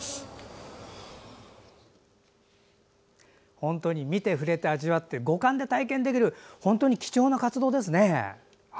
本当に見て触れて味わって五感で体験できる本当に貴重な体験ですね。